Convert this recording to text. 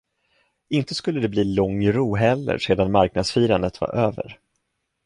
Inte skulle det bli lång ro heller sedan marknadsfirandet var över.